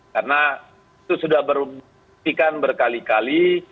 karena itu sudah beruntung berkali kali